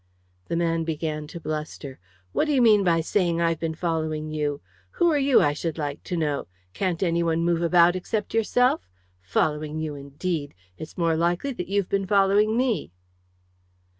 The man began to bluster. "What do you mean by saying I've been following you? Who are you, I should like to know? Can't any one move about except yourself? Following you, indeed! It's more likely that you've been following me!"